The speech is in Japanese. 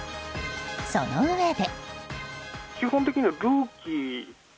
そのうえで。